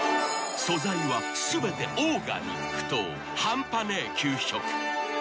［素材は全てオーガニックと半端ねえ給食］